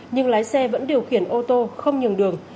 nhưng lái xe vẫn điều khiển ô tô không nhường đường